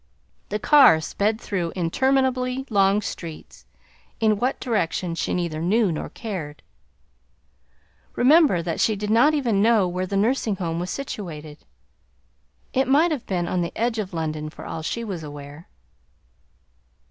The car sped through interminably long streets in what direction she neither knew nor cared. Remember that she did not even know where the nursing home was situated. It might have been on the edge of London for all she was aware.